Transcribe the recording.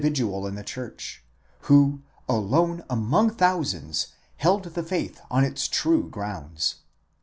vidual in the church, who alone among thousands held the faith on its true grounds.